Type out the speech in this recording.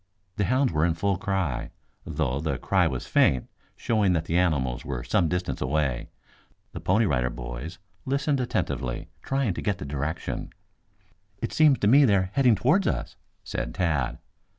The hounds were in full cry, though the cry was faint, showing that the animals were some distance away. The Pony Rider Boys listened attentively, trying to get the direction. "It seems to me that they are heading towards us," said Tad.